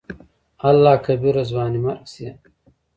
الله کبيره !ځواني مرګ شې.